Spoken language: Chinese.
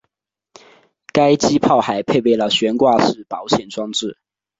该机炮还配备了悬挂式保险装置。